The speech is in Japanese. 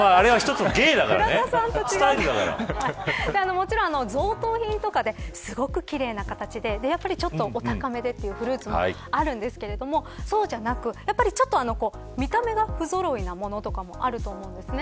もちろん贈答品とかですごく奇麗な形でちょっとお高めでというフルーツもあるんですけどそうじゃなく見た目がふぞろいなものとかもあると思うんですね。